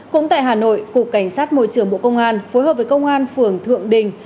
cũng tại hà nội cục cảnh sát môi trường bộ công an phối hợp với công an phường thượng đình